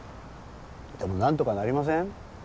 でも何とかなりません？